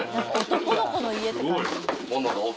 男の子の家って感じ。